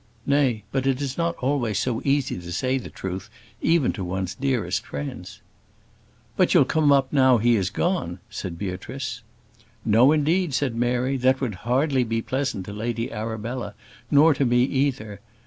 Nay, but it is not always so easy to say the truth, even to one's dearest friends. "But you'll come up now he has gone?" said Beatrice. "No, indeed," said Mary; "that would hardly be pleasant to Lady Arabella, nor to me either.